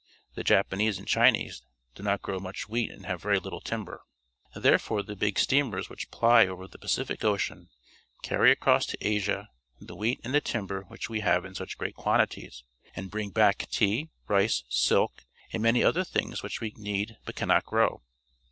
The Japanese and Chinese do not grow much wheat and have very little timber. Therefore the big steam ers wliich ply over the Pacific Ocean carry across to Asia the wheat and the timber which we have in such great quantities, and bring back tea, rice, silk, and many other things wliich we need but cannot grow.